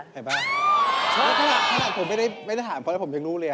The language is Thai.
ส่วนมากผมไม่ได้ถามเพราะว่าผมเพียงรู้เลย